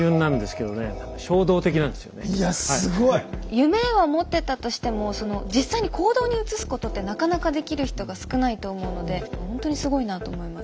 夢は持ってたとしても実際に行動に移すことってなかなかできる人が少ないと思うのでほんとにすごいなと思います。